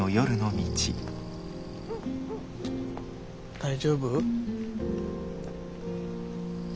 大丈夫？